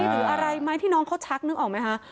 หรืออะไรไหมที่น้องเขาชักนึกออกไหมคะ